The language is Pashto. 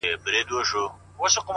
د اوبو په ځای د زړه وینې به ورکړم